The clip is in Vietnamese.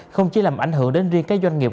không chỉ làm ảnh hưởng đến riêng các doanh nghiệp